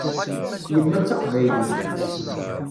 Yemma d taqbaylit.